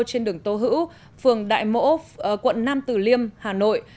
trên đường tô hữu phường đại mỗ quận nam tử liêm hà nội